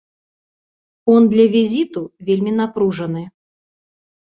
Фон для візіту вельмі напружаны.